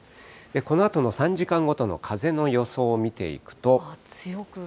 このあとの３時間ごとの風の予想を見ていくと。